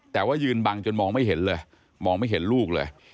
แต่ว่ายืนบังจนมองไม่เห็นเลยมองไม่เห็นลูกเลย